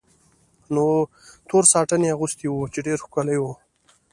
تور ساټن یې اغوستی و، چې ډېر ښکلی و.